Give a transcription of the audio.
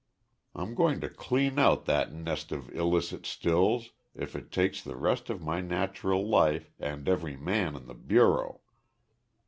I'm going to clean out that nest of illicit stills if it takes the rest of my natural life and every man in the bureau!